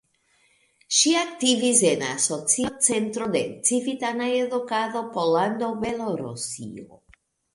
Ŝi aktivis en Asocio Centro de Civitana Edukado Pollando-Belorusio.